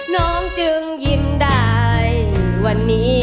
น้องจึงยิ้มได้วันนี้